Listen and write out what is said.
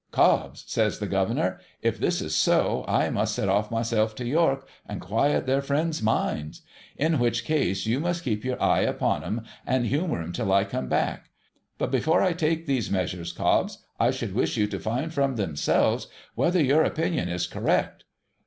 ' Cobbs,' says the (Governor, ' if this is so, I must set off myself to York, and quiet their friends' minds. In which case you must keep your eye upon 'em, and humour 'em, till I come back. But before I take these measures, Cobbs, I should wish you to find from themselves whether your opinion is correct.